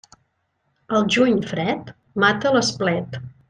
El juny fred mata l'esplet.